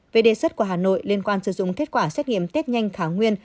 về đề xuất của hà nội liên quan sử dụng kết quả xét nghiệm test nhanh thái nguyên